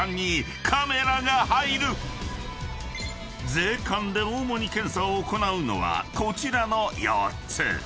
［税関で主に検査を行うのはこちらの４つ］